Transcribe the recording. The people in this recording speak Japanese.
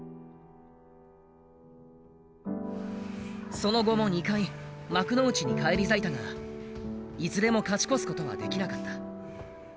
その後も２回幕内に返り咲いたがいずれも勝ち越すことはできなかった。